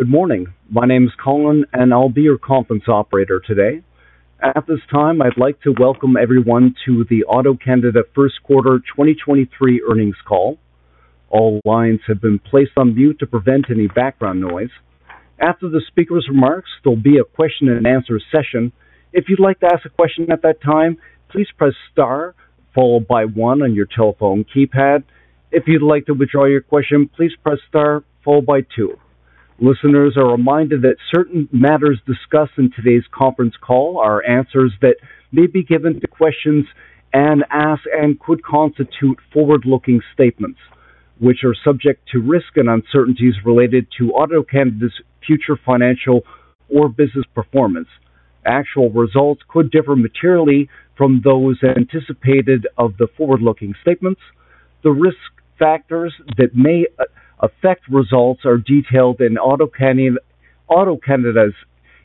Good morning. My name is Colin, and I'll be your conference operator today. At this time, I'd like to welcome everyone to the AutoCanada First Quarter 2023 Earnings Call. All lines have been placed on mute to prevent any background noise. After the speaker's remarks, there'll be a question and answer session. If you'd like to ask a question at that time, please press star followed by one on your telephone keypad. If you'd like to withdraw your question, please press star followed by two. Listeners are reminded that certain matters discussed in today's conference call are answers that may be given to questions and asked and could constitute forward-looking statements, which are subject to risks and uncertainties related to AutoCanada's future financial or business performance. Actual results could differ materially from those anticipated of the forward-looking statements. The risk factors that may affect results are detailed in AutoCanada's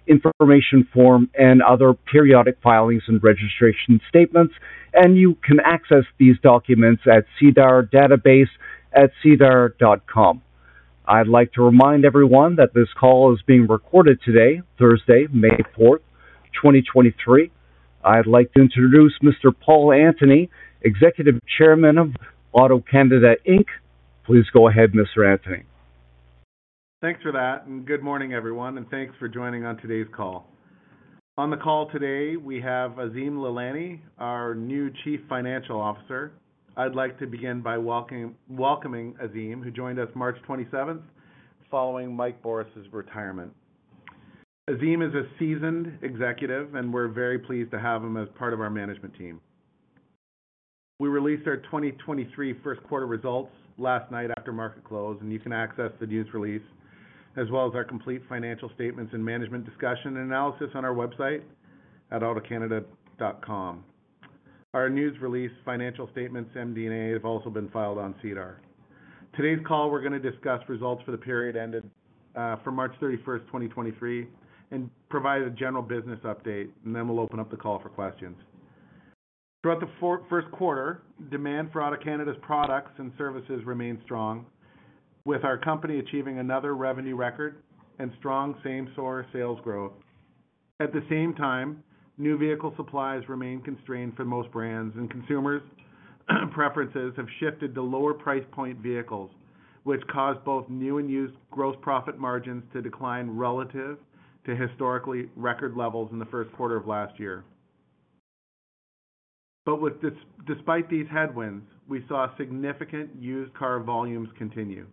information form and other periodic filings and registration statements. You can access these documents at SEDAR database at sedar.com. I'd like to remind everyone that this call is being recorded today, Thursday, May 4, 2023. I'd like to introduce Mr. Paul Antony, Executive Chairman of AutoCanada Inc. Please go ahead, Mr. Antony. Thanks for that. Good morning, everyone. Thanks for joining on today's call. On the call today, we have Azim Lalani, our new Chief Financial Officer. I'd like to begin by welcoming Azim, who joined us March 27th following Mike Borys's retirement. Azim is a seasoned executive. We're very pleased to have him as part of our management team. We released our 2023 first quarter results last night after market close. You can access the news release as well as our complete financial statements and Management Discussion and Analysis on our website at autocanada.com. Our news release, financial statements, MD&A have also been filed on SEDAR. Today's call, we're going to discuss results for the period ended for March 31st, 2023, provide a general business update, then we'll open up the call for questions. Throughout the first quarter, demand for AutoCanada's products and services remained strong, with our company achieving another revenue record and strong same-store sales growth. At the same time, new vehicle supplies remain constrained for most brands and consumers' preferences have shifted to lower price point vehicles, which caused both new and used gross profit margins to decline relative to historically record levels in the first quarter of last year. With despite these headwinds, we saw significant used car volumes continue.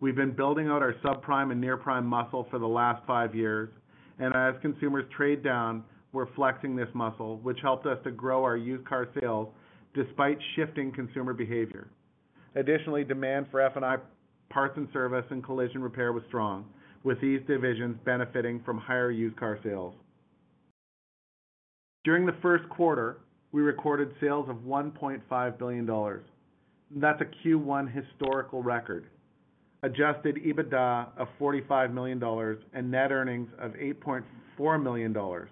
We've been building out our subprime and near-prime muscle for the last five years, and as consumers trade down, we're flexing this muscle, which helps us to grow our used car sales despite shifting consumer behavior. Additionally, demand for F&I parts and service and collision repair was strong, with these divisions benefiting from higher used car sales. During the first quarter, we recorded sales of 1.5 billion dollars. That's a Q1 historical record. Adjusted EBITDA of 45 million dollars and net earnings of 8.4 million dollars.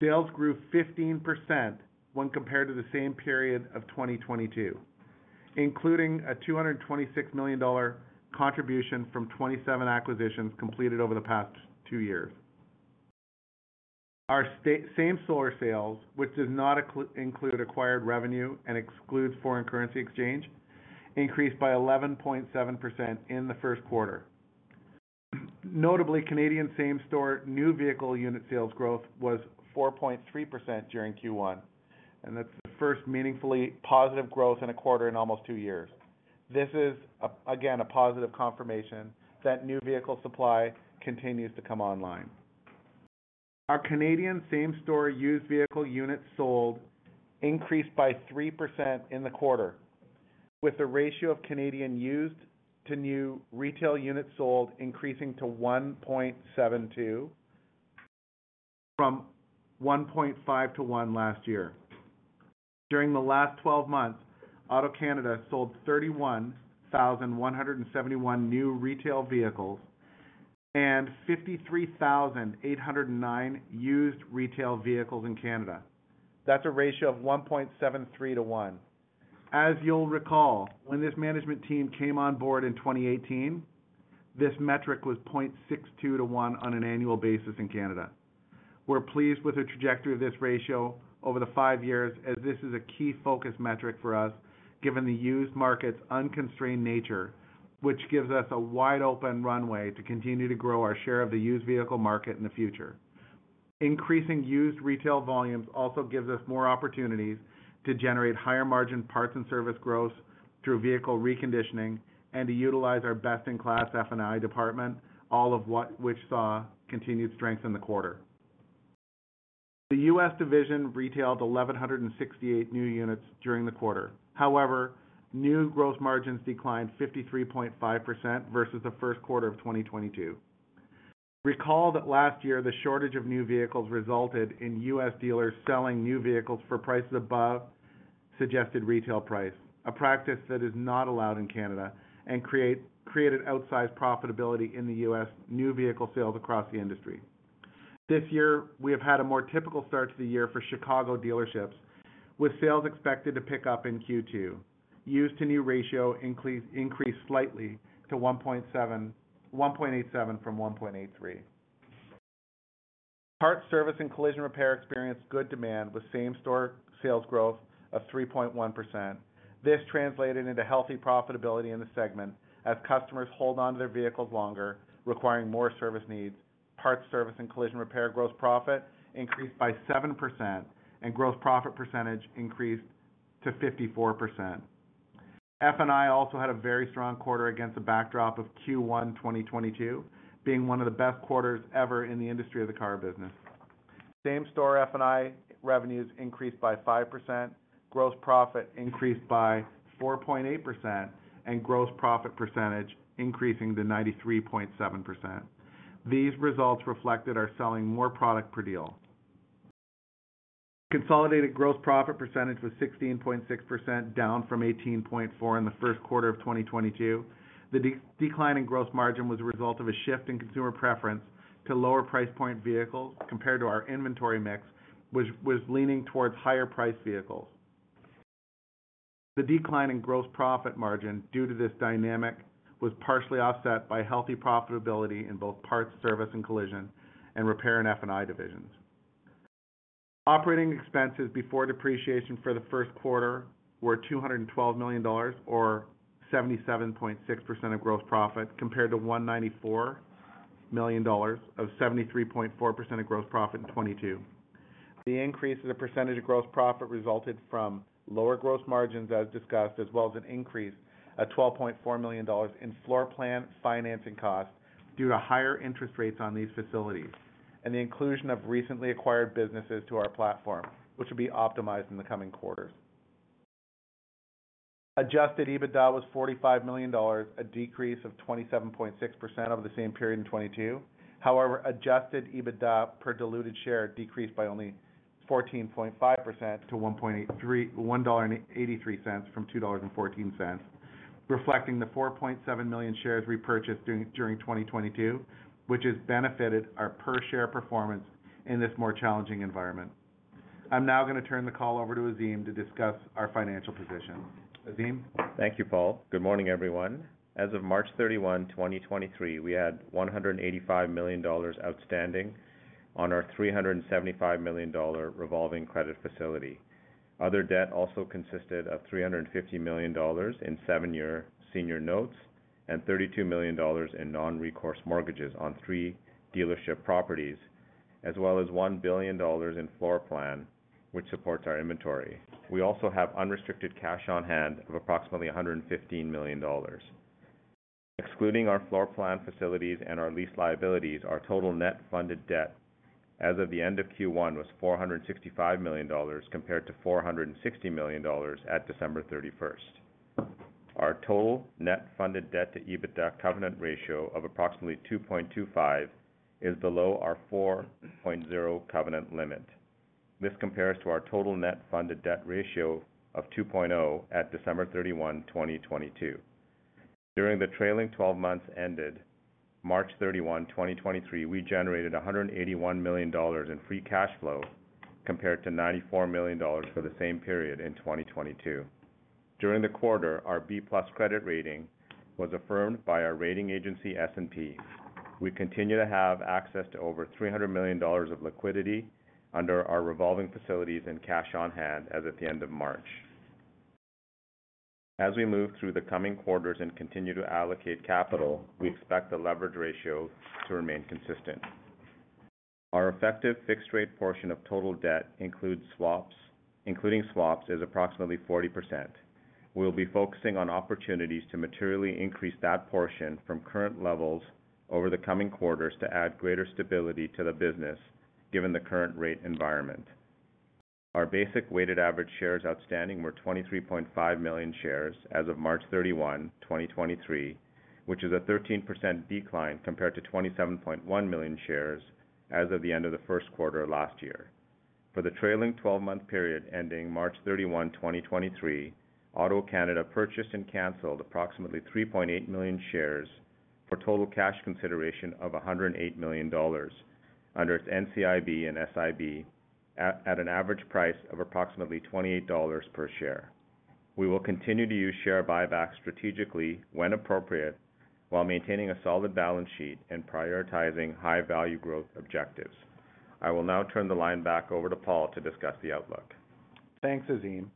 Sales grew 15% when compared to the same period of 2022, including a 226 million dollar contribution from 27 acquisitions completed over the past two years. Our same-store sales, which does not include acquired revenue and excludes foreign currency exchange, increased by 11.7% in the first quarter. Notably, Canadian same-store new vehicle unit sales growth was 4.3% during Q1. That's the first meaningfully positive growth in a quarter in almost two years. This is again a positive confirmation that new vehicle supply continues to come online. Our Canadian same-store used vehicle units sold increased by 3% in the quarter, with the ratio of Canadian used to new retail units sold increasing to 1.72 from 1.5 to one last year. During the last 12 months, AutoCanada sold 31,171 new retail vehicles and 53,809 used retail vehicles in Canada. That's a ratio of 1.73 to one. As you'll recall, when this management team came on board in 2018, this metric was 0.62 to one on an annual basis in Canada. We're pleased with the trajectory of this ratio over the five years as this is a key focus metric for us, given the used market's unconstrained nature, which gives us a wide-open runway to continue to grow our share of the used vehicle market in the future. Increasing used retail volumes also gives us more opportunities to generate higher margin parts and service growth through vehicle reconditioning and to utilize our best-in-class F&I department, all of which saw continued strength in the quarter. The U.S. division retailed 1,168 new units during the quarter. New gross margins declined 53.5% versus the first quarter of 2022. Recall that last year, the shortage of new vehicles resulted in U.S. dealers selling new vehicles for prices above suggested retail price, a practice that is not allowed in Canada, created outsized profitability in the U.S. new vehicle sales across the industry. This year, we have had a more typical start to the year for Chicago dealerships, with sales expected to pick up in Q2. Used to new ratio increased slightly to 1.87 from 1.83. Parts, service, and collision repair experienced good demand with same-store sales growth of 3.1%. This translated into healthy profitability in the segment as customers hold onto their vehicles longer, requiring more service needs. Parts, service, and collision repair gross profit increased by 7% and gross profit percentage increased to 54%. F&I also had a very strong quarter against a backdrop of Q1 2022, being one of the best quarters ever in the industry of the car business. Same-store F&I revenues increased by 5%, gross profit increased by 4.8%, and gross profit percentage increasing to 93.7%. These results reflected are selling more product per deal. Consolidated gross profit percentage was 16.6%, down from 18.4% in the first quarter of 2022. The decline in gross margin was a result of a shift in consumer preference to lower price point vehicles compared to our inventory mix, which was leaning towards higher priced vehicles. The decline in gross profit margin due to this dynamic was partially offset by healthy profitability in both parts, service and collision, and repair and F&I divisions. Operating expenses before depreciation for the first quarter were 212 million dollars, or 77.6% of gross profit, compared to 194 million dollars of 73.4% of gross profit in 2022. The increase as a percentage of gross profit resulted from lower gross margins, as discussed, as well as an increase of 12.4 million dollars in floorplan financing costs due to higher interest rates on these facilities and the inclusion of recently acquired businesses to our platform, which will be optimized in the coming quarters. Adjusted EBITDA was 45 million dollars, a decrease of 27.6% over the same period in 2022. However, adjusted EBITDA per diluted share decreased by only 14.5% to 1.83 dollar from 2.14 dollars, reflecting the 4.7 million shares repurchased during 2022, which has benefited our per-share performance in this more challenging environment. I'm now gonna turn the call over to Azim to discuss our financial position. Azim? Thank you, Paul. Good morning, everyone. As of March 31, 2023, we had 185 million dollars outstanding on our 375 million dollar revolving credit facility. Other debt also consisted of 350 million dollars in seven-year senior notes and 32 million dollars in non-recourse mortgages on three dealership properties, as well as 1 billion dollars in floorplan, which supports our inventory. We also have unrestricted cash on hand of approximately 115 million dollars. Excluding our floorplan facilities and our lease liabilities, our total net funded debt as of the end of Q1 was 465 million dollars compared to 460 million dollars at December 31. Our total net funded debt to EBITDA covenant ratio of approximately 2.25 is below our 4.0 covenant limit. This compares to our total net funded debt ratio of 2.0 at December 31, 2022. During the trailing 12 months ended March 31, 2023, we generated CAD 181 million in free cash flow compared to CAD 94 million for the same period in 2022. During the quarter, our B+ credit rating was affirmed by our rating agency, S&P. We continue to have access to over 300 million dollars of liquidity under our revolving facilities in cash on hand as at the end of March. As we move through the coming quarters and continue to allocate capital, we expect the leverage ratio to remain consistent. Our effective fixed rate portion of total debt including swaps, is approximately 40%. We'll be focusing on opportunities to materially increase that portion from current levels over the coming quarters to add greater stability to the business given the current rate environment. Our basic weighted average shares outstanding were 23.5 million shares as of March 31, 2023, which is a 13% decline compared to 27.1 million shares as of the end of the first quarter last year. For the trailing twelve-month period ending March 31, 2023, AutoCanada purchased and canceled approximately 3.8 million shares for total cash consideration of 108 million dollars under its NCIB and SIB at an average price of approximately 28 dollars per share. We will continue to use share buybacks strategically when appropriate while maintaining a solid balance sheet and prioritizing high-value growth objectives. I will now turn the line back over to Paul to discuss the outlook. Thanks, Azim.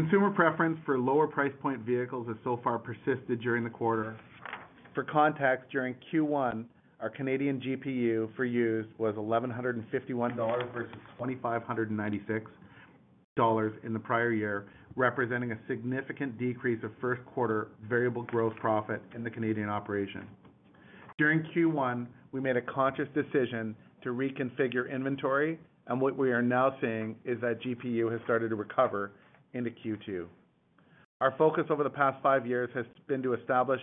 Consumer preference for lower price point vehicles has so far persisted during the quarter. For context, during Q1, our Canadian GPU for used was 1,151 dollars versus 2,596 dollars in the prior year, representing a significant decrease of first quarter variable gross profit in the Canadian operation. During Q1, we made a conscious decision to reconfigure inventory, and what we are now seeing is that GPU has started to recover into Q2. Our focus over the past five years has been to establish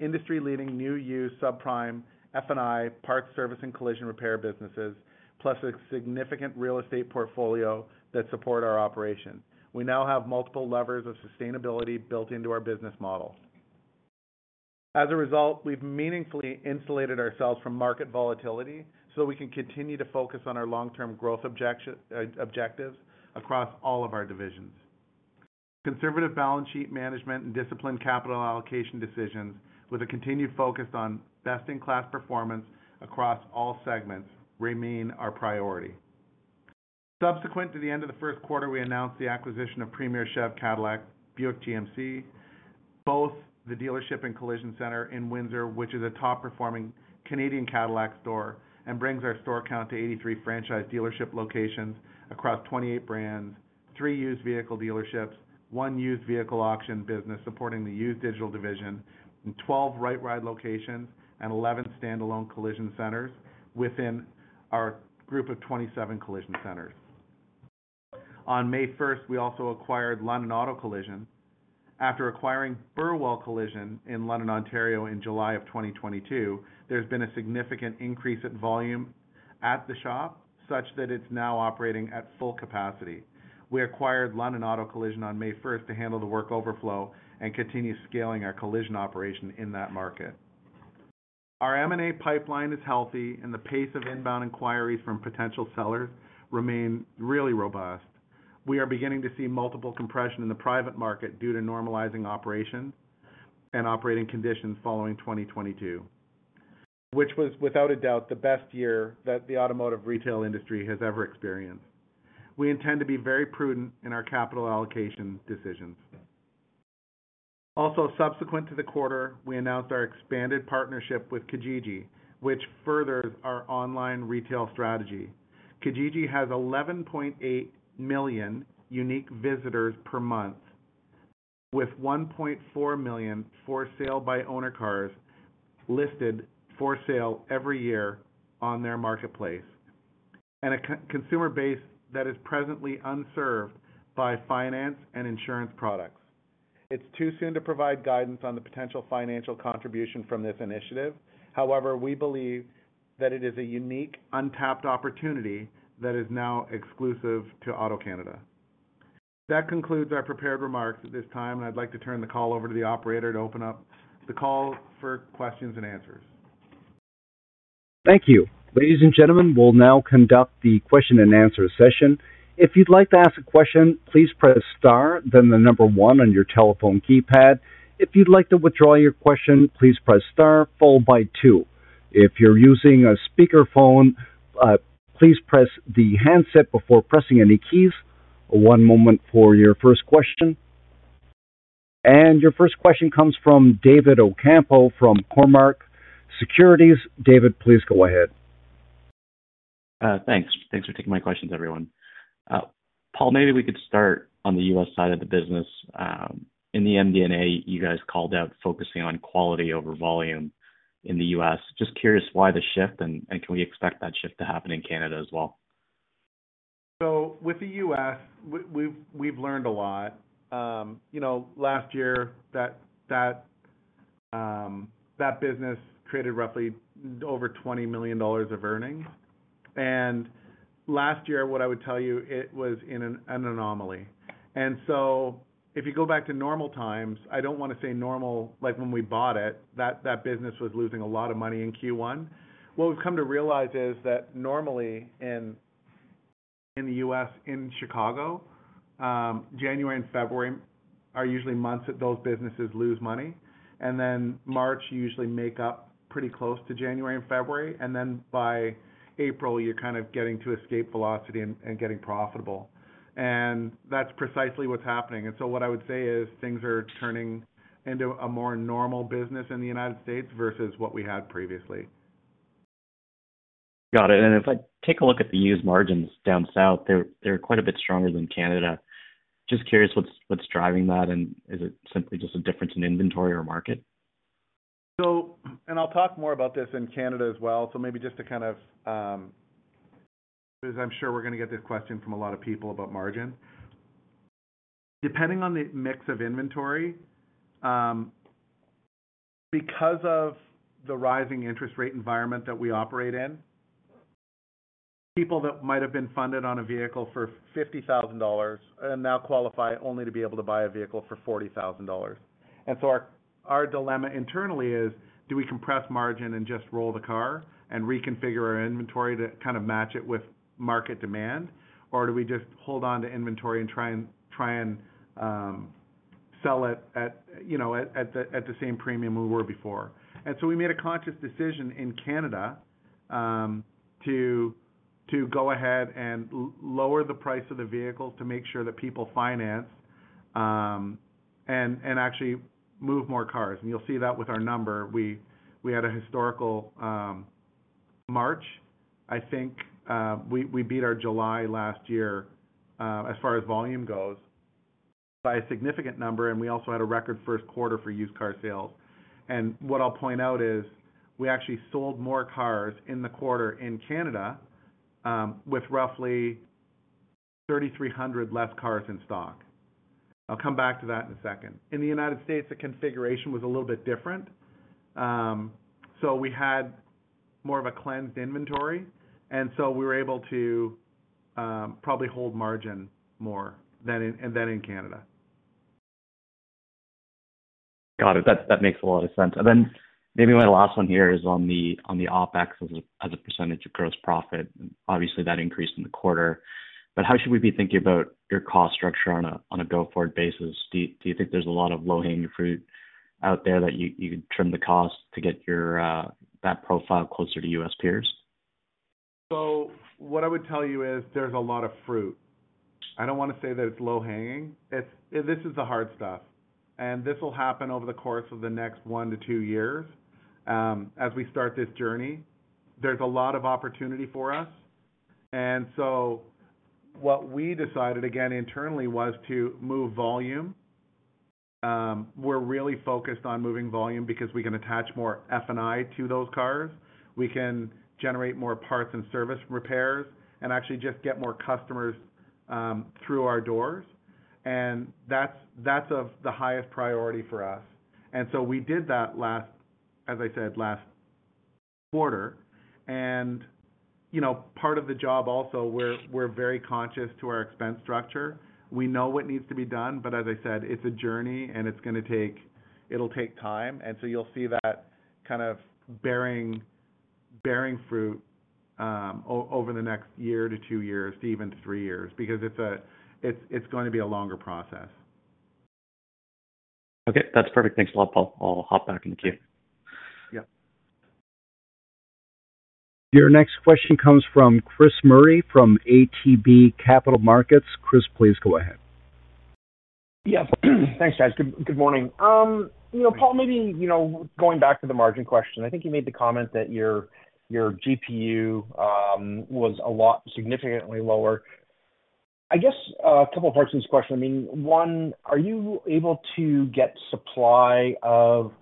industry-leading new, used, subprime, F&I, parts, service, and collision repair businesses, plus a significant real estate portfolio that support our operation. We now have multiple levers of sustainability built into our business models. As a result, we've meaningfully insulated ourselves from market volatility so we can continue to focus on our long-term growth objectives across all of our divisions. Conservative balance sheet management and disciplined capital allocation decisions with a continued focus on best-in-class performance across all segments remain our priority. Subsequent to the end of the first quarter, we announced the acquisition of Premier Chev Cadillac Buick GMC, both the dealership and collision center in Windsor, which is a top-performing Canadian Cadillac store and brings our store count to 83 franchise dealership locations across 28 brands, three used vehicle dealerships, one used vehicle auction business supporting the used digital division, and 12 RightRide locations and 11 standalone collision centers within our group of 27 collision centers. On May first, we also acquired London Auto Collision. After acquiring Burwell Collision in London, Ontario in July of 2022, there's been a significant increase in volume at the shop such that it's now operating at full capacity. We acquired London Auto Collision on May first to handle the work overflow and continue scaling our collision operation in that market. Our M&A pipeline is healthy and the pace of inbound inquiries from potential sellers remain really robust. We are beginning to see multiple compression in the private market due to normalizing operations and operating conditions following 2022, which was without a doubt the best year that the automotive retail industry has ever experienced. We intend to be very prudent in our capital allocation decisions. Subsequent to the quarter, we announced our expanded partnership with Kijiji, which furthers our online retail strategy. Kijiji has 11.8 million unique visitors per month, with 1.4 million for sale by owner cars listed for sale every year on their marketplace and a co-consumer base that is presently unserved by finance and insurance products. It's too soon to provide guidance on the potential financial contribution from this initiative. However, we believe that it is a unique, untapped opportunity that is now exclusive to AutoCanada. That concludes our prepared remarks. At this time, I'd like to turn the call over to the operator to open up the call for questions and answers. Thank you. Ladies and gentlemen, we'll now conduct the question and answer session. If you'd like to ask a question, please press star, then one on your telephone keypad. If you'd like to withdraw your question, please press star followed by two. If you're using a speakerphone, please press the handset before pressing any keys. One moment for your first question. Your first question comes from David Ocampo from Cormark Securities. David, please go ahead. Thanks. Thanks for taking my questions, everyone. Paul, maybe we could start on the U.S. side of the business. In the MD&A, you guys called out focusing on quality over volume in the U.S. Just curious why the shift, and can we expect that shift to happen in Canada as well? With the U.S., we've learned a lot. You know, last year that business created roughly over $20 million of earnings. Last year, what I would tell you it was in an anomaly. If you go back to normal times, I don't wanna say normal like when we bought it, that business was losing a lot of money in Q1. What we've come to realize is that normally in the U.S., in Chicago, January and February are usually months that those businesses lose money. March usually make up pretty close to January and February, then by April, you're kind of getting to escape velocity and getting profitable. That's precisely what's happening. What I would say is things are turning into a more normal business in the United States versus what we had previously. Got it. If I take a look at the used margins down south, they're quite a bit stronger than Canada. Just curious what's driving that, and is it simply just a difference in inventory or market? And I'll talk more about this in Canada as well. Maybe just to kind of, because I'm sure we're gonna get this question from a lot of people about margin. Depending on the mix of inventory, because of the rising interest rate environment that we operate in, people that might have been funded on a vehicle for $50,000 now qualify only to be able to buy a vehicle for $40,000. Our, our dilemma internally is, do we compress margin and just roll the car and reconfigure our inventory to kind of match it with market demand? Or do we just hold on to inventory and try and sell it at, you know, at the same premium we were before? We made a conscious decision in Canada to go ahead and lower the price of the vehicles to make sure that people finance and actually move more cars. You'll see that with our number. We had a historical March. I think we beat our July last year as far as volume goes by a significant number, and we also had a record first quarter for used car sales. What I'll point out is we actually sold more cars in the quarter in Canada with roughly 3,300 less cars in stock. I'll come back to that in a second. In the United States, the configuration was a little bit different. So we had more of a cleansed inventory. We were able to probably hold margin more than in Canada. Got it. That makes a lot of sense. Maybe my last one here is on the OpEx as a % of gross profit. Obviously, that increased in the quarter. How should we be thinking about your cost structure on a go-forward basis? Do you think there's a lot of low-hanging fruit out there that you could trim the cost to get your that profile closer to U.S. peers? What I would tell you is there's a lot of fruit. I don't wanna say that it's low hanging. It's. This is the hard stuff, and this will happen over the course of the next 1-2 years as we start this journey. There's a lot of opportunity for us. What we decided, again, internally was to move volume. We're really focused on moving volume because we can attach more F&I to those cars. We can generate more parts and service repairs and actually just get more customers through our doors. That's, that's of the highest priority for us. We did that last, as I said, last quarter. You know, part of the job also, we're very conscious to our expense structure. We know what needs to be done, but as I said, it's a journey and it'll take time. You'll see that kind of bearing fruit over the next year to two years to even three years because it's going to be a longer process. Okay, that's perfect. Thanks a lot, Paul. I'll hop back in the queue. Yeah. Your next question comes from Chris Murray from ATB Capital Markets. Chris, please go ahead. Yes. Thanks, guys. Good morning. You know, Paul, maybe, you know, going back to the margin question, I think you made the comment that your GPU was a lot significantly lower. I guess a couple of parts to this question. I mean, one, are you able to get supply of,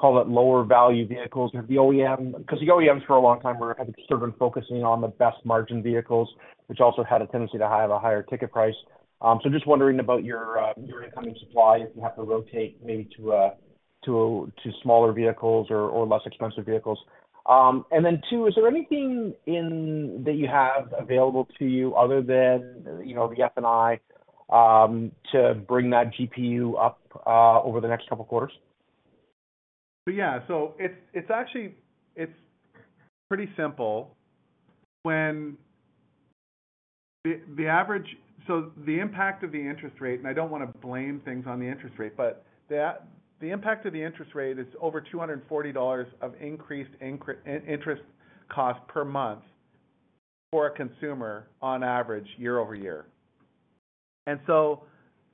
call it, lower value vehicles with the OEM? Because the OEMs for a long time were, have sort of been focusing on the best margin vehicles, which also had a tendency to have a higher ticket price. Just wondering about your incoming supply if you have to rotate maybe to smaller vehicles or less expensive vehicles. Two, is there anything in... that you have available to you other than, you know, the F&I, to bring that GPU up, over the next couple of quarters? Yeah. It's actually pretty simple. When the impact of the interest rate, and I don't wanna blame things on the interest rate, but the impact of the interest rate is over 240 dollars of increased interest cost per month for a consumer on average year-over-year.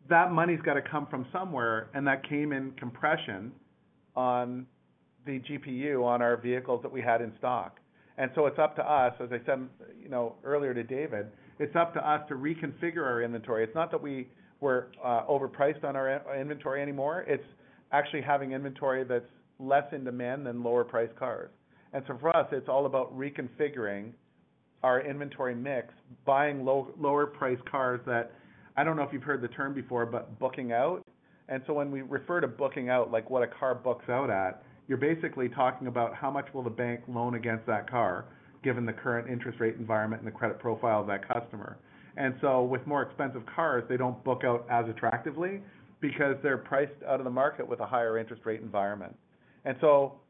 That money's got to come from somewhere, and that came in compression on the GPU on our vehicles that we had in stock. It's up to us, as I said, you know, earlier to David, it's up to us to reconfigure our inventory. It's not that we were overpriced on our inventory anymore. It's actually having inventory that's less in demand than lower priced cars. For us, it's all about reconfiguring our inventory mix, buying lower priced cars that I don't know if you've heard the term before, but booking out. When we refer to booking out, like what a car books out at, you're basically talking about how much will the bank loan against that car, given the current interest rate environment and the credit profile of that customer. With more expensive cars, they don't book out as attractively because they're priced out of the market with a higher interest rate environment.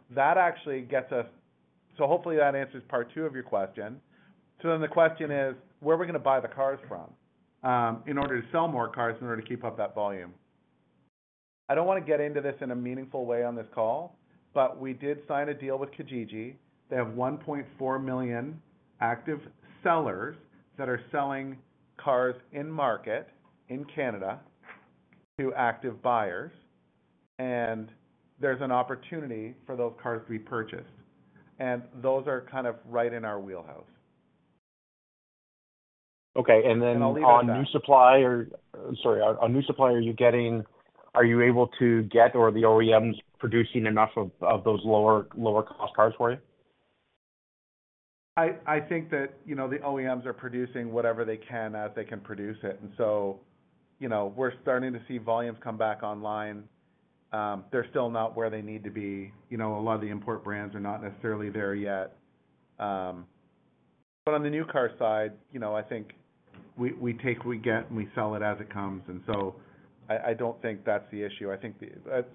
That actually gets us. Hopefully that answers part two of your question. The question is, where are we gonna buy the cars from, in order to sell more cars in order to keep up that volume? I don't wanna get into this in a meaningful way on this call, but we did sign a deal with Kijiji. They have 1.4 million active sellers that are selling cars in market in Canada to active buyers, and there's an opportunity for those cars to be purchased. Those are kind of right in our wheelhouse. Okay. I'll leave it at that. Sorry. On new supply, are you able to get or the OEMs producing enough of those lower cost cars for you? I think that, you know, the OEMs are producing whatever they can as they can produce it. You know, we're starting to see volumes come back online. They're still not where they need to be. You know, a lot of the import brands are not necessarily there yet. On the new car side, you know, I think we take, we get, and we sell it as it comes. I don't think that's the issue. That's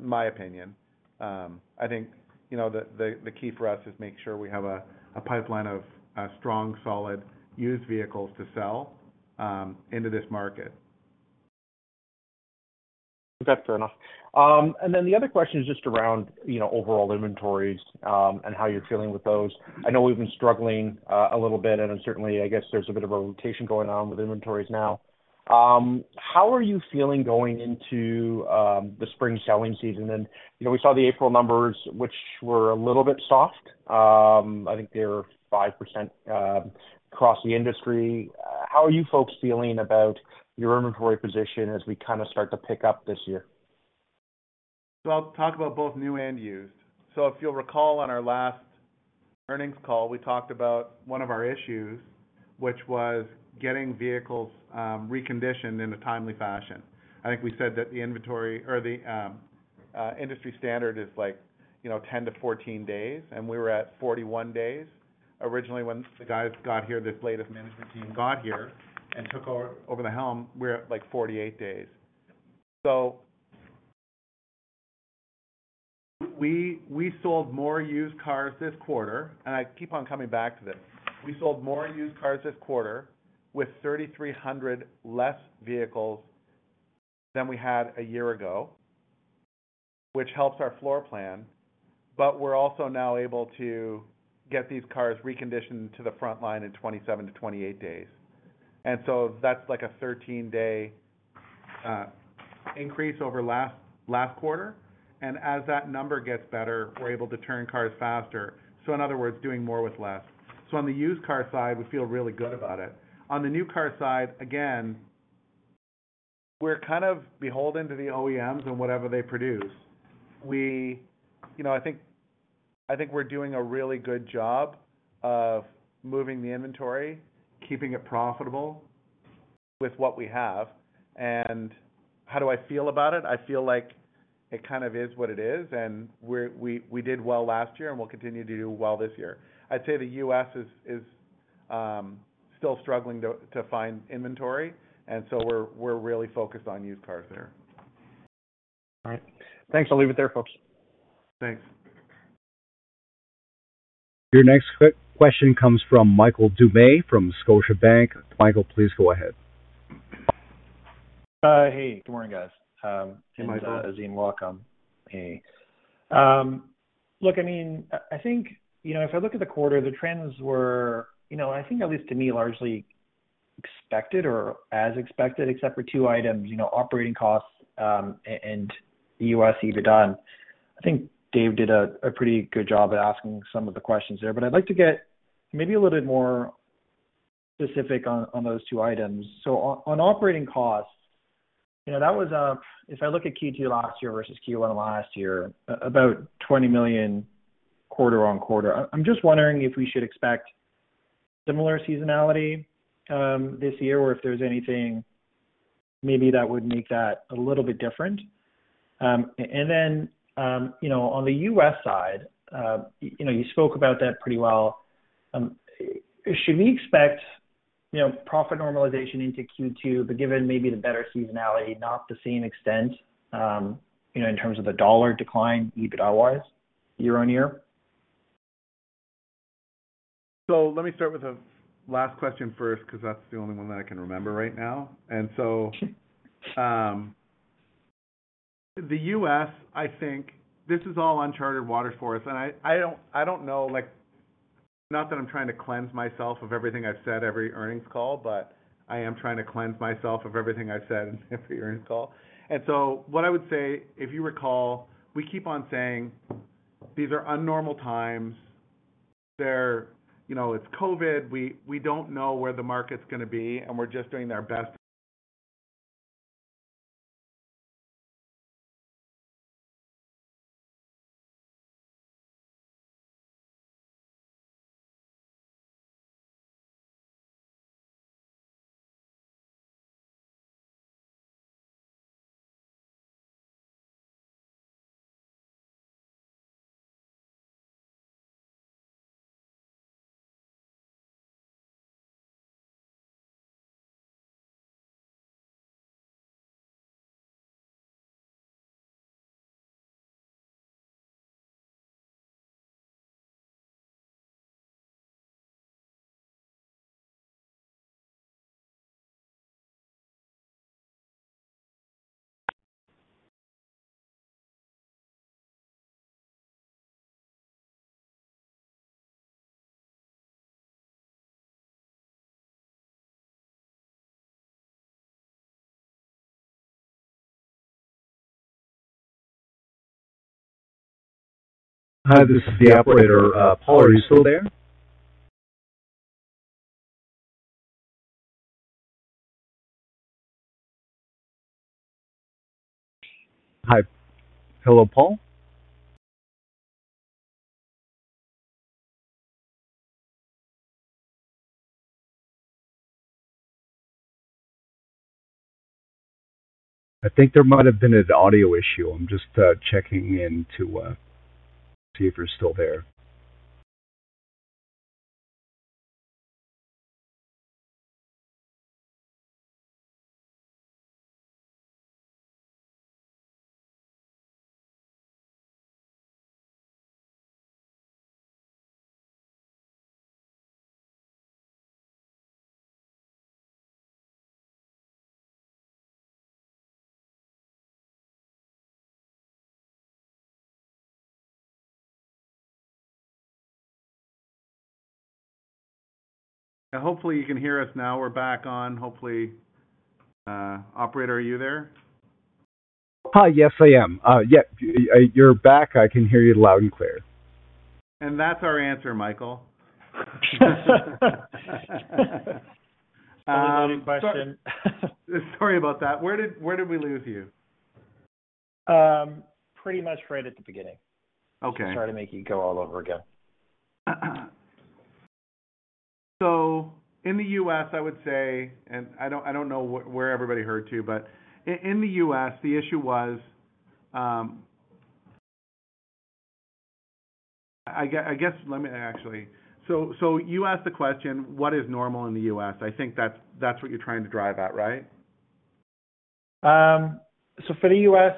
my opinion. I think, you know, the key for us is make sure we have a pipeline of strong, solid used vehicles to sell into this market. That's fair enough. Then the other question is just around, you know, overall inventories, and how you're feeling with those. I know we've been struggling a little bit, and certainly, I guess there's a bit of a rotation going on with inventories now. How are you feeling going into the spring selling season? You know, we saw the April numbers, which were a little bit soft. I think they were 5% across the industry. How are you folks feeling about your inventory position as we kinda start to pick up this year? I'll talk about both new and used. If you'll recall on our last earnings call, we talked about one of our issues which was getting vehicles reconditioned in a timely fashion. I think we said that the inventory or the industry standard is like, you know, 10 to 14 days, we were at 41 days originally when the guys got here, this latest management team got here and took over the helm, we're at, like, 48 days. We sold more used cars this quarter, I keep on coming back to this. We sold more used cars this quarter with 3,300 less vehicles than we had a year ago, which helps our floor plan, we're also now able to get these cars reconditioned to the front line in 27 to 28 days. That's like a 13-day increase over last quarter. As that number gets better, we're able to turn cars faster. In other words, doing more with less. On the used car side, we feel really good about it. On the new car side, again, we're kind of beholden to the OEMs and whatever they produce. You know, I think we're doing a really good job of moving the inventory, keeping it profitable with what we have. How do I feel about it? I feel like it kind of is what it is, and we did well last year, and we'll continue to do well this year. I'd say the U.S. is still struggling to find inventory, and so we're really focused on used cars there. All right. Thanks. I'll leave it there, folks. Thanks. Your next question comes from Michael Doumet from Scotiabank. Michael, please go ahead. Hey, good morning, guys. Azim, welcome. Hey, Michael. Hey. Look, I mean, I think, you know, if I look at the quarter, the trends were, you know, I think at least to me, largely expected or as expected except for two items, you know, operating costs, and the U.S. EBITDA. I think Dave did a pretty good job at asking some of the questions there. I'd like to get maybe a little bit more specific on those two items. On operating costs, you know, that was, if I look at Q2 last year versus Q1 last year, about $20 million quarter on quarter. I'm just wondering if we should expect similar seasonality this year or if there's anything maybe that would make that a little bit different. And then, you know, on the US side, you know, you spoke about that pretty well. Should we expect, you know, profit normalization into Q2, but given maybe the better seasonality, not the same extent, you know, in terms of the dollar decline EBITDA-wise year-on-year? Let me start with the last question first because that's the only one that I can remember right now. The U.S., I think this is all unchartered waters for us, and I don't, I don't know, like, not that I'm trying to cleanse myself of everything I've said every earnings call, but I am trying to cleanse myself of everything I've said in every earnings call. What I would say, if you recall, we keep on saying these are unnormal times. They're, you know, it's COVID. We, we don't know where the market's gonna be, and we're just doing our best. Hi, this is the operator. Paul, are you still there? Hi. Hello, Paul? I think there might have been an audio issue. I'm just checking in to see if you're still there. Hopefully you can hear us now. We're back on, hopefully. Operator, are you there? Hi. Yes, I am. Yeah, you're back. I can hear you loud and clear. That's our answer, Michael. Stupid question. Sorry about that. Where did we leave you? Pretty much right at the beginning. Okay. Sorry to make you go all over again. In the U.S., I would say, and I don't, I don't know where everybody heard too, in the U.S. the issue was. I guess let me actually. You asked the question, what is normal in the U.S? I think that's what you're trying to drive at, right? The dollar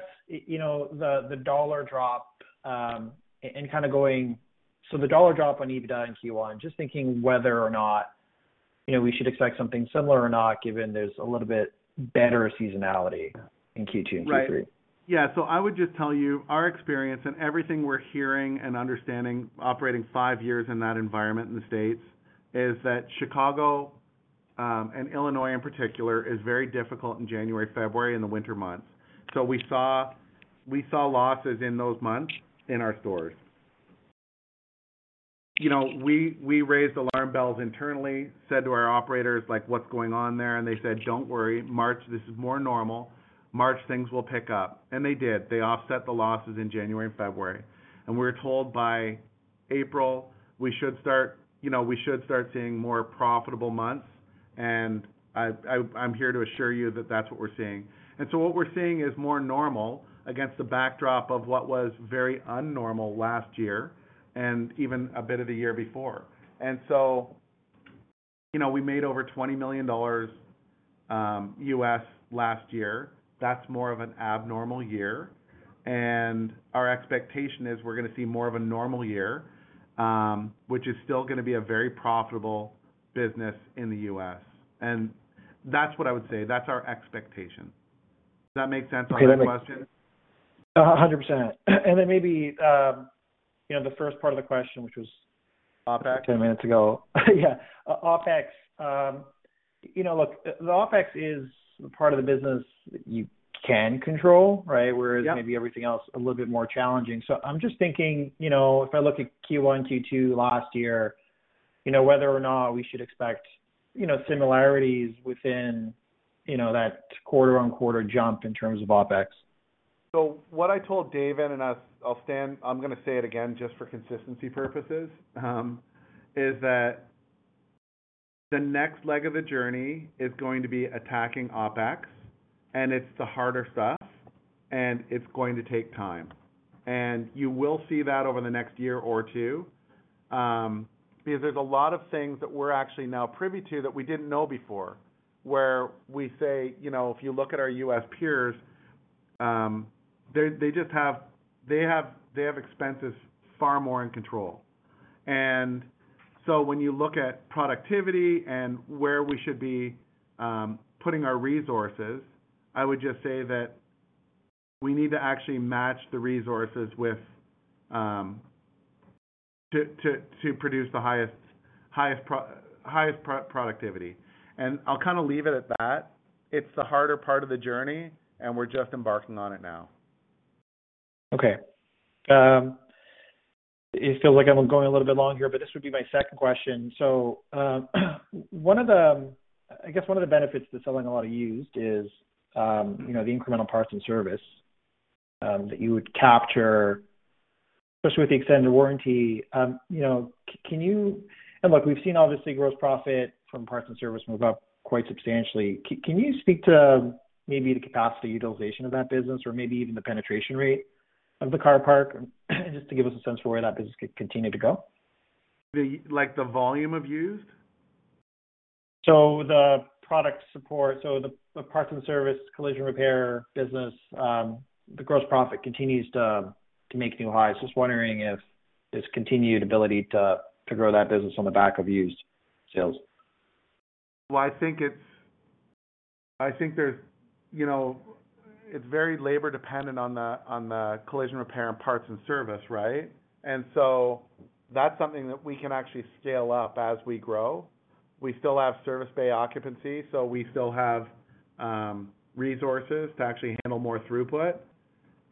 drop on EBITDA in Q1, just thinking whether or not, you know, we should expect something similar or not, given there's a little bit better seasonality in Q2 and Q3. Right. Yeah. I would just tell you our experience and everything we're hearing and understanding operating five years in that environment in the States is that Chicago, and Illinois in particular, is very difficult in January, February and the winter months. We saw losses in those months in our stores. You know, we raised alarm bells internally, said to our operators, like, "What's going on there?" They said, "Don't worry, March, this is more normal. March, things will pick up." They did. They offset the losses in January and February. We were told by April we should start, you know, we should start seeing more profitable months, and I'm here to assure you that that's what we're seeing. What we're seeing is more normal against the backdrop of what was very abnormal last year and even a bit of the year before. You know, we made over $20 million U.S. last year. That's more of an abnormal year. Our expectation is we're gonna see more of a normal year, which is still gonna be a very profitable business in the U.S. That's what I would say, that's our expectation. Does that make sense on your question? Okay, 100%. Maybe, you know, the first part of the question. OpEx? Ten minutes ago. Yeah. OpEx. You know, look, the OpEx is the part of the business you can control, right? Yeah. Whereas maybe everything else, a little bit more challenging. I'm just thinking, you know, if I look at Q1, Q2 last year, you know, whether or not we should expect, you know, similarities within, you know, that quarter-on-quarter jump in terms of OpEx. What I told David, I'm going to say it again just for consistency purposes, is that the next leg of the journey is going to be attacking OpEx, and it's the harder stuff, and it's going to take time. You will see that over the next one or two years, because there's a lot of things that we're actually now privy to that we didn't know before, where we say, you know, if you look at our U.S. peers, they just have expenses far more in control. When you look at productivity and where we should be putting our resources, I would just say that we need to actually match the resources with to produce the highest productivity. I'll kind of leave it at that. It's the harder part of the journey, and we're just embarking on it now. Okay. It feels like I'm going a little bit long here, this would be my second question. One of the, I guess, one of the benefits to selling a lot of used is, you know, the incremental parts and service that you would capture, especially with the extended warranty. You know, look, we've seen obviously gross profit from parts and service move up quite substantially. Can you speak to maybe the capacity utilization of that business or maybe even the penetration rate of the car park, just to give us a sense of where that business could continue to go? The, like, the volume of used? The product support, the parts and service, collision repair business, the gross profit continues to make new highs. Just wondering if this continued ability to grow that business on the back of used sales? Well, I think it's, I think there's, you know, it's very labor dependent on the collision repair and parts and service, right? That's something that we can actually scale up as we grow. We still have service bay occupancy, so we still have resources to actually handle more throughput.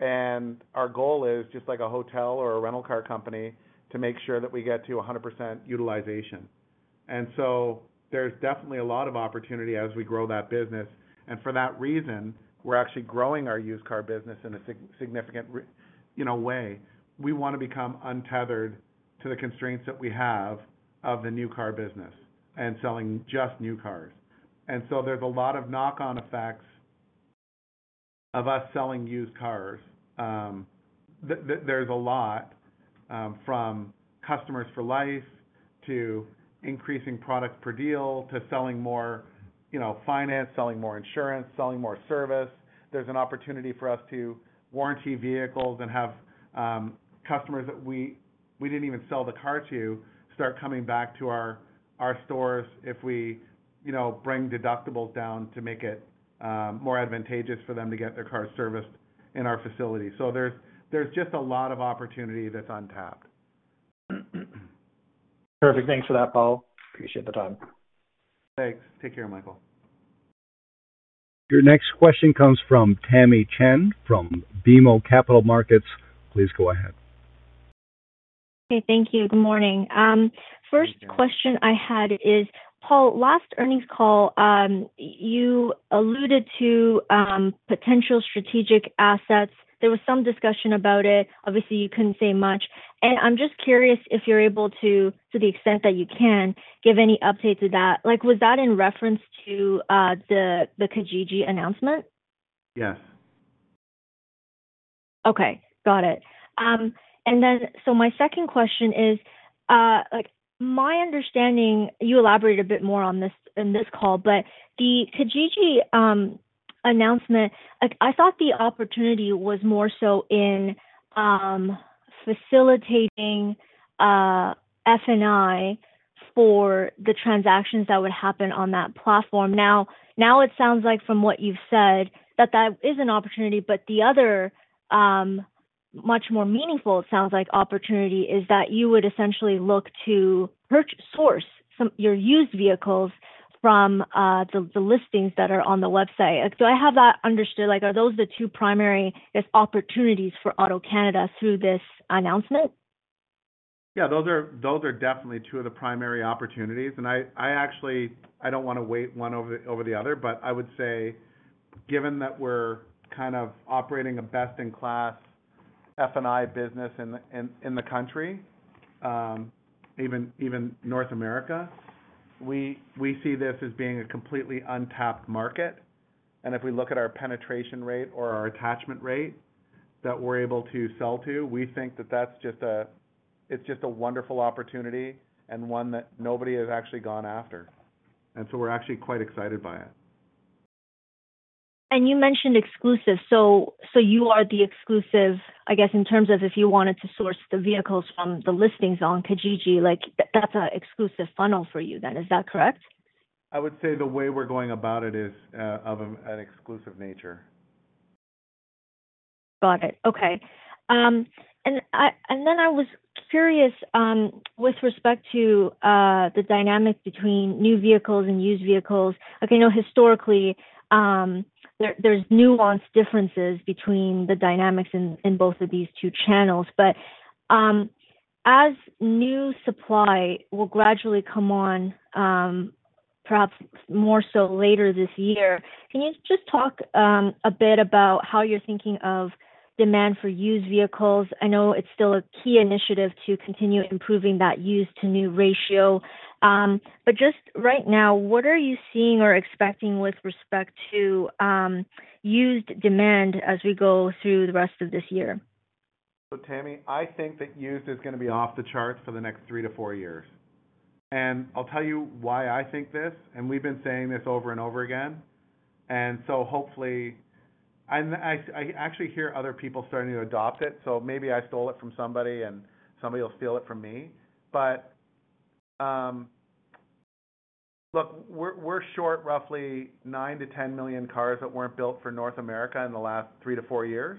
Our goal is just like a hotel or a rental car company to make sure that we get to 100% utilization. There's definitely a lot of opportunity as we grow that business. For that reason, we're actually growing our used car business in a significant, you know, way. We wanna become untethered to the constraints that we have of the new car business and selling just new cars. There's a lot of knock on effects of us selling used cars. There's a lot from customers for life to increasing product per deal, to selling more, you know, finance, selling more insurance, selling more service. There's an opportunity for us to warranty vehicles and have customers that we didn't even sell the car to start coming back to our stores if we, you know, bring deductibles down to make it more advantageous for them to get their car serviced in our facility. There's just a lot of opportunity that's untapped. Perfect. Thanks for that, Paul. Appreciate the time. Thanks. Take care, Michael. Your next question comes from Tamy Chen from BMO Capital Markets. Please go ahead. Okay, thank you. Good morning. First question I had is, Paul, last earnings call, you alluded to, potential strategic assets. There was some discussion about it. Obviously, you couldn't say much. I'm just curious if you're able to the extent that you can, give any update to that. Like, was that in reference to, the Kijiji announcement? Yes. Okay, got it. My second question is, like my understanding, you elaborate a bit more on this in this call, but the Kijiji announcement, like I thought the opportunity was more so in facilitating F&I for the transactions that would happen on that platform. Now it sounds like from what you've said, that that is an opportunity, but the other much more meaningful, it sounds like opportunity is that you would essentially look to purchase source from your used vehicles from the listings that are on the website. Do I have that understood? Like, are those the two primary, I guess, opportunities for AutoCanada through this announcement? Yeah, those are definitely two of the primary opportunities. I actually I don't want to weight one over the other, but I would say given that we're kind of operating a best in class F&I business in the country, even North America, we see this as being a completely untapped market. If we look at our penetration rate or our attachment rate that we're able to sell to, we think that it's just a wonderful opportunity and one that nobody has actually gone after. We're actually quite excited by it. You mentioned exclusive. You are the exclusive, I guess, in terms of if you wanted to source the vehicles from the listings on Kijiji, like that's an exclusive funnel for you then, is that correct? I would say the way we're going about it is of an exclusive nature. Got it. I was curious with respect to the dynamic between new vehicles and used vehicles. I know historically, there's nuanced differences between the dynamics in both of these two channels. As new supply will gradually come on, perhaps more so later this year, can you just talk a bit about how you're thinking of demand for used vehicles? I know it's still a key initiative to continue improving that used to new ratio. Just right now, what are you seeing or expecting with respect to used demand as we go through the rest of this year? Tamy, I think that used is gonna be off the charts for the next three to four years. I'll tell you why I think this, and we've been saying this over and over again. Hopefully. I actually hear other people starting to adopt it, so maybe I stole it from somebody and somebody will steal it from me. Look, we're short roughly nine to 10 million cars that weren't built for North America in the last three to four years,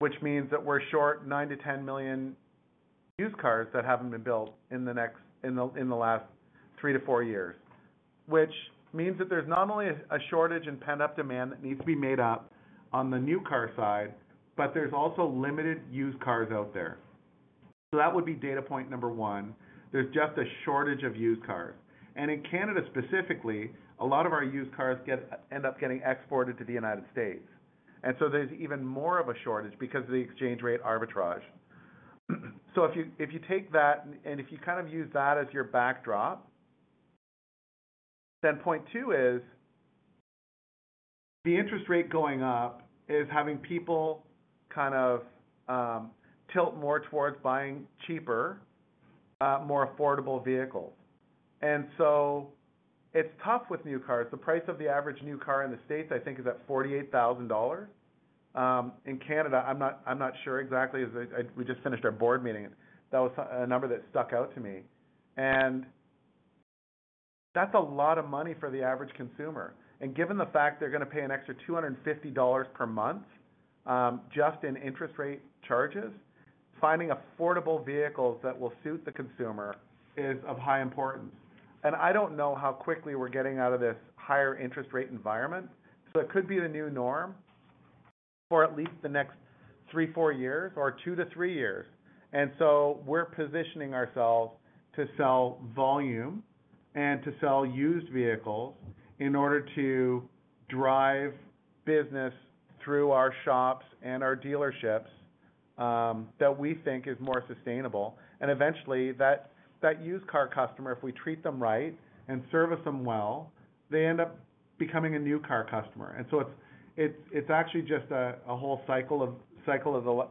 which means that we're short nine to 10 million used cars that haven't been built in the next, in the last three to four years. Which means that there's not only a shortage in pent-up demand that needs to be made up on the new car side, but there's also limited used cars out there. That would be data point number one. There's just a shortage of used cars. In Canada specifically, a lot of our used cars get, end up getting exported to the United States. There's even more of a shortage because of the exchange rate arbitrage. If you, if you kind of use that as your backdrop, then point two is the interest rate going up is having people kind of tilt more towards buying cheaper, more affordable vehicles. It's tough with new cars. The price of the average new car in the States, I think, is at $48,000. In Canada, I'm not, I'm not sure exactly as I... We just finished our board meeting. That was a number that stuck out to me. That's a lot of money for the average consumer. Given the fact they're gonna pay an extra $250 per month, just in interest rate charges, finding affordable vehicles that will suit the consumer is of high importance. I don't know how quickly we're getting out of this higher interest rate environment. It could be the new norm for at least the next three four years or two or three years. We're positioning ourselves to sell volume and to sell used vehicles in order to drive business through our shops and our dealerships that we think is more sustainable. Eventually that used car customer, if we treat them right and service them well, they end up becoming a new car customer. It's actually just a whole cycle of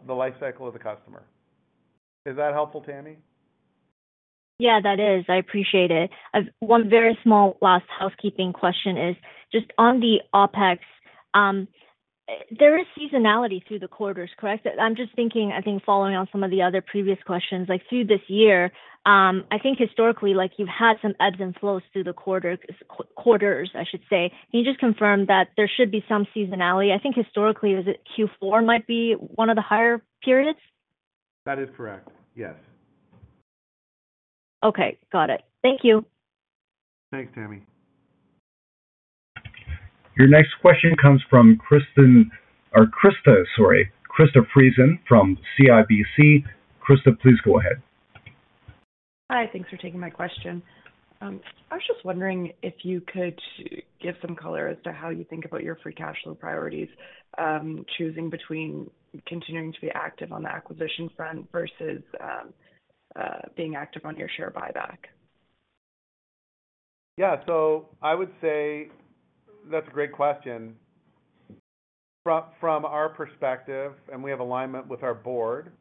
the life cycle of the customer. Is that helpful, Tamy? That is. I appreciate it. One very small last housekeeping question is just on the OpEx, there is seasonality through the quarters, correct? I'm just thinking, I think following on some of the other previous questions, like through this year, I think historically, like you've had some ebbs and flows through the quarters, I should say. Can you just confirm that there should be some seasonality? I think historically, is it Q4 might be one of the higher periods? That is correct. Yes. Okay. Got it. Thank you. Thanks, Tamy. Your next question comes from Kristen or Krista, sorry, Krista Friesen from CIBC. Krista, please go ahead. Hi. Thanks for taking my question. I was just wondering if you could give some color as to how you think about your free cash flow priorities, choosing between continuing to be active on the acquisition front versus, being active on your share buyback. Yeah. I would say that's a great question. From our perspective, we have alignment with our board,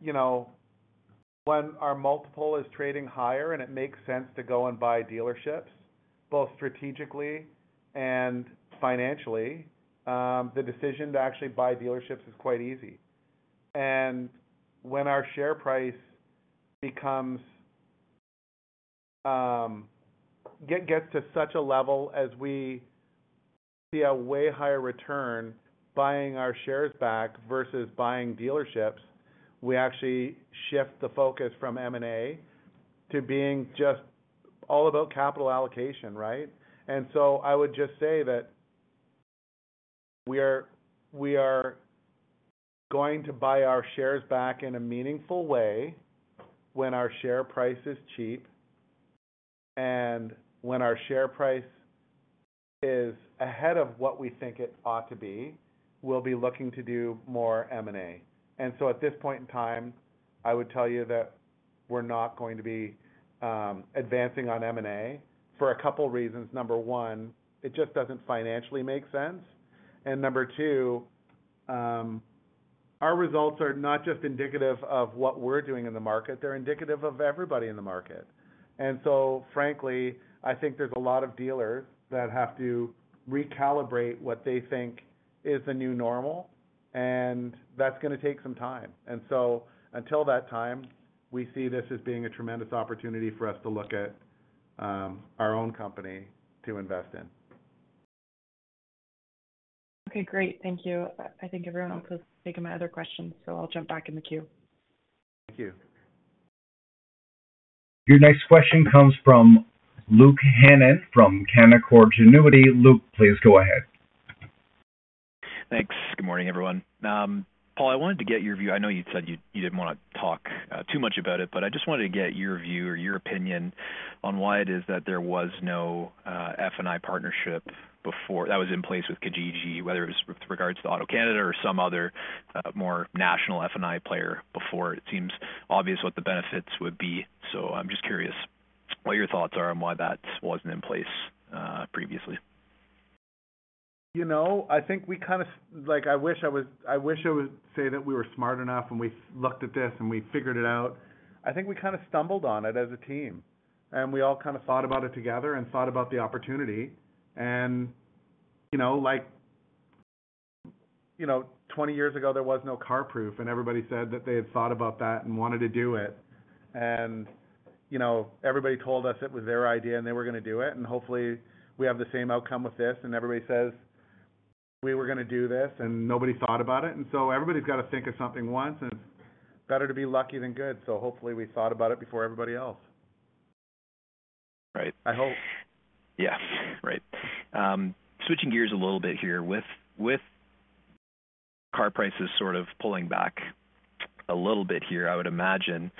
you know, when our multiple is trading higher and it makes sense to go and buy dealerships, both strategically and financially, the decision to actually buy dealerships is quite easy. When our share price becomes gets to such a level as we see a way higher return buying our shares back versus buying dealerships, we actually shift the focus from M&A to being just all about capital allocation, right? I would just say that we are going to buy our shares back in a meaningful way when our share price is cheap, and when our share price is ahead of what we think it ought to be, we'll be looking to do more M&A. At this point in time, I would tell you that we're not going to be advancing on M&A for a couple reasons. Number one, it just doesn't financially make sense. Number two, our results are not just indicative of what we're doing in the market, they're indicative of everybody in the market. Frankly, I think there's a lot of dealers that have to recalibrate what they think is the new normal, and that's gonna take some time. Until that time, we see this as being a tremendous opportunity for us to look at our own company to invest in. Great. Thank you. I think everyone else has taken my other questions, so I'll jump back in the queue. Thank you. Your next question comes from Luke Hannan from Canaccord Genuity. Luke, please go ahead. Thanks. Good morning, everyone. Paul, I wanted to get your view. I know you said you didn't wanna talk too much about it, but I just wanted to get your view or your opinion on why it is that there was no F&I partnership before that was in place with Kijiji, whether it was with regards to AutoCanada or some other more national F&I player before. It seems obvious what the benefits would be, so I'm just curious what your thoughts are on why that wasn't in place previously. You know, I think we kinda, like, I wish I would say that we were smart enough and we looked at this and we figured it out. I think we kinda stumbled on it as a team, and we all kinda thought about it together and thought about the opportunity. You know, like, you know, 20 years ago, there was no Carproof, and everybody said that they had thought about that and wanted to do it. You know, everybody told us it was their idea and they were gonna do it. Hopefully we have the same outcome with this, and everybody says we were gonna do this and nobody thought about it. Everybody's got to think of something once, and it's better to be lucky than good. Hopefully we thought about it before everybody else. Right. I hope. Yeah. Right. Switching gears a little bit here. With car prices sort of pulling back a little bit here, I would imagine,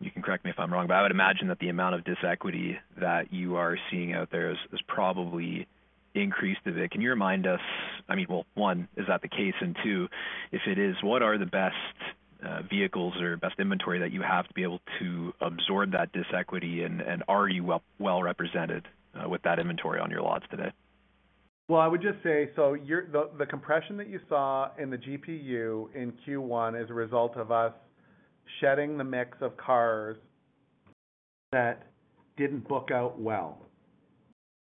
you can correct me if I'm wrong, but I would imagine that the amount of disequity that you are seeing out there is probably increased a bit. Can you remind us, I mean, well, one, is that the case? Two, if it is, what are the best vehicles or best inventory that you have to be able to absorb that disequity? Are you well represented with that inventory on your lots today? Well, I would just say, The compression that you saw in the GPU in Q1 is a result of us shedding the mix of cars that didn't book out well.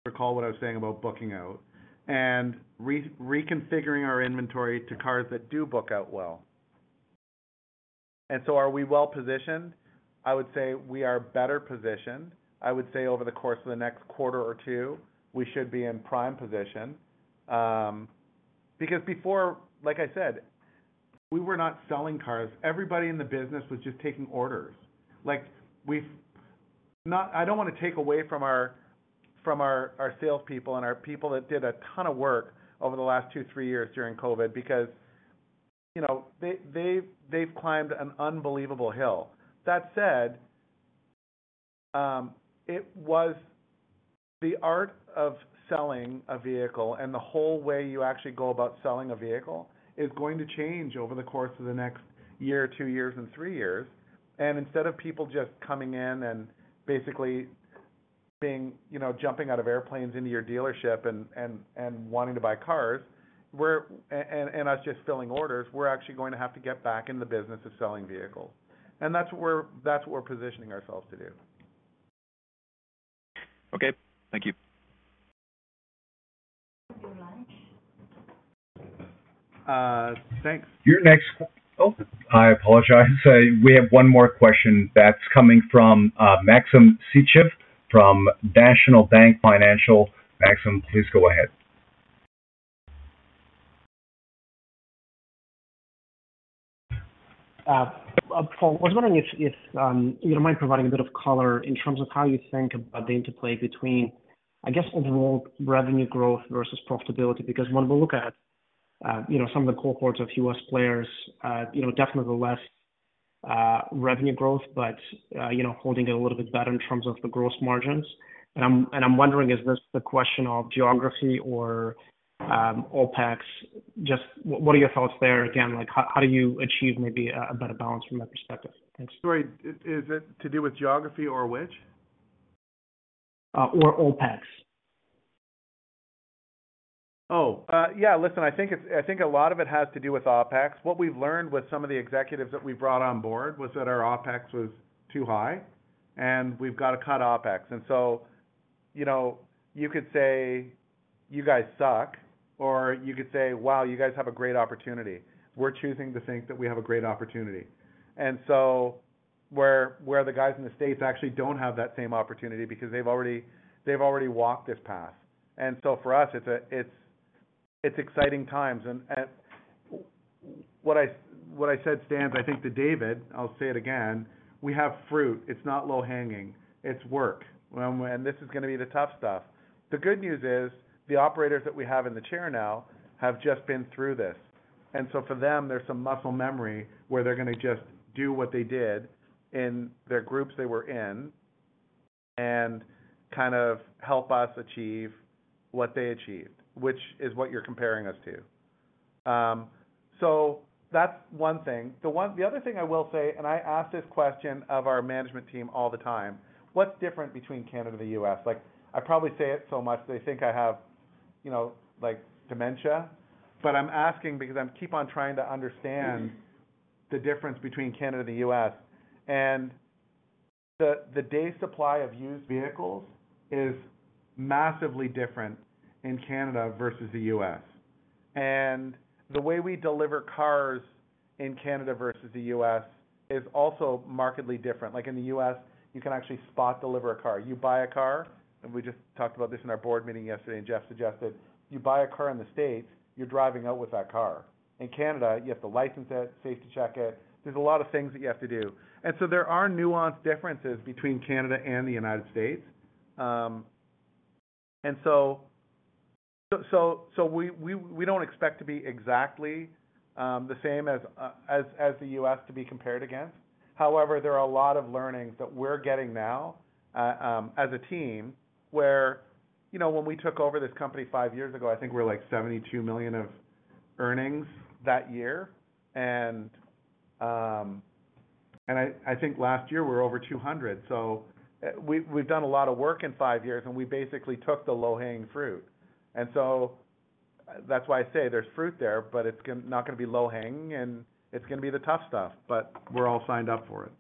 Recall what I was saying about booking out. reconfiguring our inventory to cars that do book out well. Are we well-positioned? I would say we are better positioned. I would say over the course of the next quarter or two, we should be in prime position. Because before, like I said, we were not selling cars. Everybody in the business was just taking orders. Like I don't wanna take away from our salespeople and our people that did a ton of work over the last two, three years during COVID because, you know, they've climbed an unbelievable hill. That said, it was the art of selling a vehicle and the whole way you actually go about selling a vehicle is going to change over the course of the next year, two years and three years. Instead of people just coming in and basically being, you know, jumping out of airplanes into your dealership and wanting to buy cars, and us just filling orders, we're actually going to have to get back in the business of selling vehicles. That's what we're positioning ourselves to do. Okay. Thank you. If you like. Thanks. Your next... Oh, I apologize. We have one more question that's coming from Maxim Sytchev from National Bank Financial. Maxim, please go ahead. Paul, I was wondering if you don't mind providing a bit of color in terms of how you think about the interplay between, I guess, overall revenue growth versus profitability. When we look at, you know, some of the cohorts of U.S. players, you know, definitely less revenue growth, but, you know, holding it a little bit better in terms of the gross margins. I'm wondering, is this the question of geography or OpEx? Just what are your thoughts there? Again, like how do you achieve maybe a better balance from that perspective? Thanks. Sorry, is it to do with geography or which? Or OpEx. Yeah. Listen, I think a lot of it has to do with OpEx. What we've learned with some of the executives that we brought on board was that our OpEx was too high and we've got to cut OpEx. You know, you could say, "You guys suck," or you could say, "Wow, you guys have a great opportunity." We're choosing to think that we have a great opportunity. Where the guys in the States actually don't have that same opportunity because they've already, they've already walked this path. For us, it's exciting times. What I said stands, I think, to David, I'll say it again. We have fruit. It's not low hanging. It's work. This is gonna be the tough stuff. The good news is the operators that we have in the chair now have just been through this. For them, there's some muscle memory where they're gonna just do what they did in their groups they were in and kind of help us achieve what they achieved, which is what you're comparing us to. That's one thing. The other thing I will say, and I ask this question of our management team all the time, "What's different between Canada and the U.S?" Like, I probably say it so much, they think I have, you know, like dementia. I'm asking because I'm keep on trying to understand the difference between Canada and the US. The day supply of used vehicles is massively different in Canada versus the U.S. The way we deliver cars in Canada versus the U.S. is also markedly different. Like in the U.S., you can actually spot deliver a car. You buy a car, and we just talked about this in our board meeting yesterday, and Jeff suggested you buy a car in the States, you're driving out with that car. In Canada, you have to license it, safety check it. There's a lot of things that you have to do. So there are nuanced differences between Canada and the United States. So we don't expect to be exactly the same as the U.S. to be compared against. There are a lot of learnings that we're getting now, you know, as a team where when we took over this company five years ago, I think we were like $72 million of earnings that year. I think last year we're over $200 million. We've done a lot of work in five years, and we basically took the low-hanging fruit. That's why I say there's fruit there, but it's not gonna be low hanging and it's gonna be the tough stuff, but we're all signed up for it.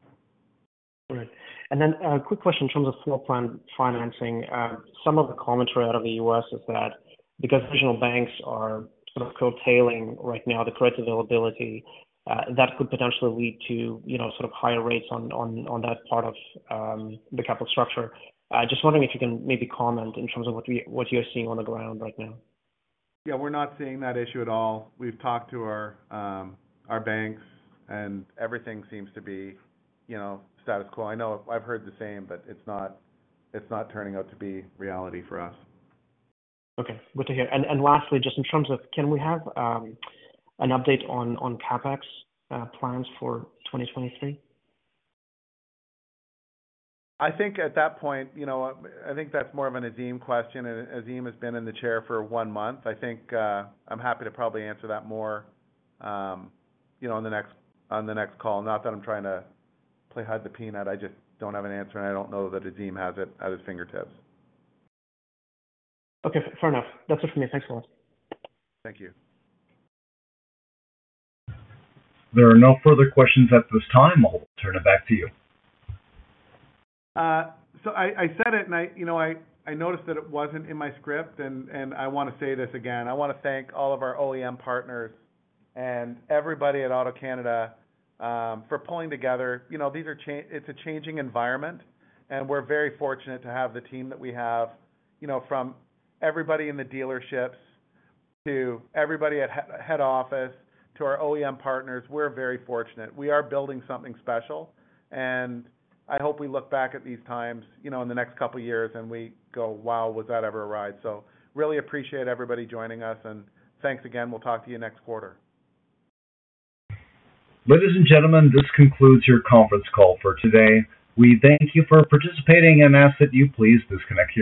Great. A quick question in terms of floor plan financing. Some of the commentary out of the U.S. is that because regional banks are sort of curtailing right now the credit availability, that could potentially lead to, you know, sort of higher rates on that part of the capital structure. Just wondering if you can maybe comment in terms of what you're seeing on the ground right now. Yeah, we're not seeing that issue at all. We've talked to our banks and everything seems to be, you know, status quo. I know I've heard the same, but it's not, it's not turning out to be reality for us. Okay. Good to hear. Lastly, just in terms of can we have an update on CapEx, plans for 2023? I think at that point, I think that's more of an Azim question, and Azim has been in the chair for one month. I think, I'm happy to probably answer that more on the next call. Not that I'm trying to play hide the peanut, I just don't have an answer, and I don't know that Azim has it at his fingertips. Okay. Fair enough. That's it for me. Thanks a lot. Thank you. There are no further questions at this time. I'll turn it back to you. I said it and I, you know, I noticed that it wasn't in my script and I wanna say this again. I wanna thank all of our OEM partners and everybody at AutoCanada for pulling together. You know, these are it's a changing environment, and we're very fortunate to have the team that we have. You know, from everybody in the dealerships to everybody at head office to our OEM partners, we're very fortunate. We are building something special, and I hope we look back at these times, you know, in the next couple of years and we go, "Wow, was that ever a ride." Really appreciate everybody joining us, and thanks again. We'll talk to you next quarter. Ladies and gentlemen, this concludes your conference call for today. We thank you for participating and ask that you please disconnect your lines.